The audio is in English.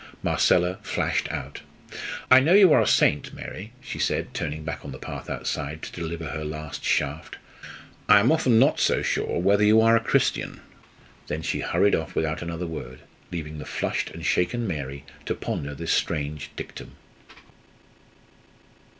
Marcella flashed out. "I know you are a saint, Mary," she said, turning back on the path outside to deliver her last shaft. "I am often not so sure whether you are a Christian!" Then she hurried off without another word, leaving the flushed and shaken Mary to ponder this strange dictum.